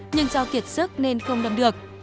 nhưng dao kiệt sức nên không đâm được